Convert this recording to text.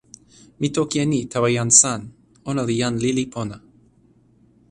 mi toki e ni tawa jan San: ona li jan lili pona.